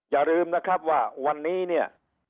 อย่าลืมนะครับว่าวันนี้เนี่ย